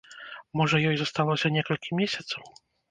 Можа, ёй засталося некалькі месяцаў?